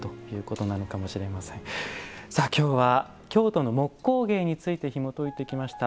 きょうは「京都の木工芸」についてひもといてきました。